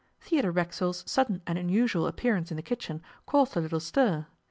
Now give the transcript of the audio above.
Theodore Racksole's sudden and unusual appearance in the kitchen caused a little stir.